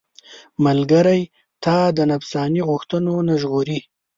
ملګری تا د نفساني غوښتنو نه ژغوري.